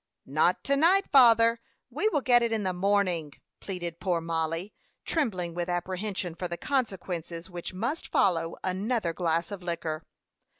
"Not to night, father. We will get it in the morning," pleaded poor Mollie, trembling with apprehension for the consequences which must follow another glass of liquor.